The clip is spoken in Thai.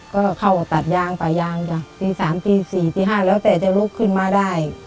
ก็เขาก็ตัดยางป่ายยางก็ติด๓ติด๔ติด๕เหลือแต่จะลุกมาได้